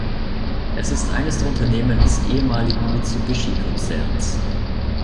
Es ist eines der Unternehmen des ehemaligen Mitsubishi-Konzerns.